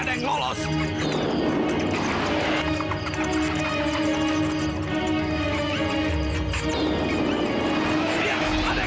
dulu takut cara paham